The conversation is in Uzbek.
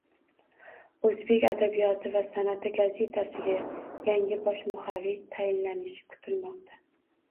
O'zbek adabiyoti va san'ati gazetasiga yangi bosh muharrir tayinlanishi kutilmoqda